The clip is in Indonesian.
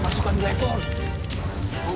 kau akan menang